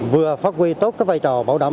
vừa phát huy tốt các vai trò bảo đảm